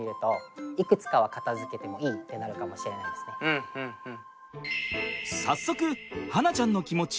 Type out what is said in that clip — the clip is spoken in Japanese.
うんうんうん。